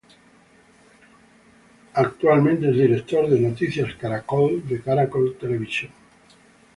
Actualmente es director de "Noticias Caracol", de Caracol Televisión.